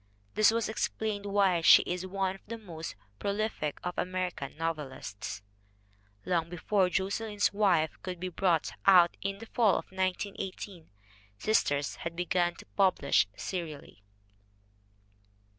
This may explain why she is one of the most prolific of Ameri can novelists. Long before Josselyn's Wife could be brought out in the fall of 1918, Sisters had begun to be published serially.